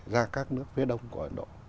ra các nước phía đông của ấn độ